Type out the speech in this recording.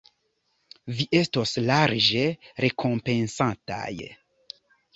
Vi estos larĝe rekompensataj.